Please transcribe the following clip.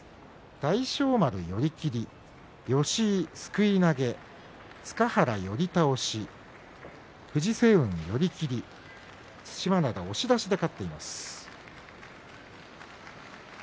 大翔丸、寄り切り吉井、すくい投げ塚原、寄り倒し藤青雲、寄り切り對馬洋は押し出しで勝っています。